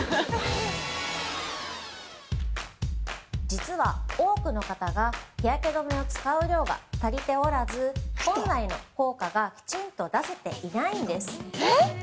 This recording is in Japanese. ◆実は、多くの方が日焼け止めを使う量が足りておらず、本来の効果がきちんと出せていないんです。